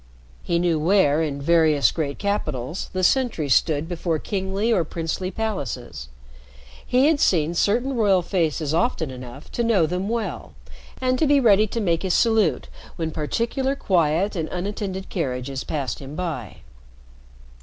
He knew where in various great capitals the sentries stood before kingly or princely palaces. He had seen certain royal faces often enough to know them well, and to be ready to make his salute when particular quiet and unattended carriages passed him by.